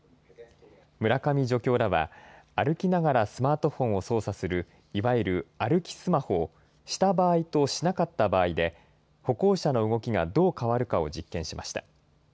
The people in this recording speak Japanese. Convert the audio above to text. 村上助教らは、歩きながらスマートフォンを操作する、いわゆる歩きスマホを、した場合と、しなかった場合で、歩行者の動きがどう変わるかを実験しました。